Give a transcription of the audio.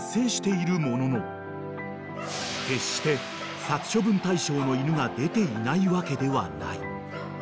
［決して殺処分対象の犬が出ていないわけではない］